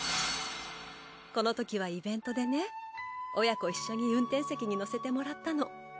このときはイベントでね親子一緒に運転席に乗せてもらったの。